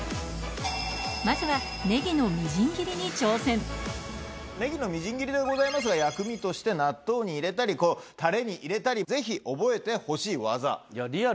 まずはネギのみじん切りに挑戦ネギのみじん切りでございますが薬味として納豆に入れたりタレに入れたりぜひ覚えてほしい技。